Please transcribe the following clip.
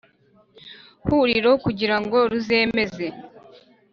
huriro kugira ngo ruzemeze